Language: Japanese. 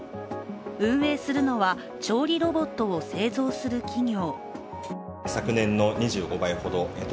運営するのは調理ロボットを製造する企業。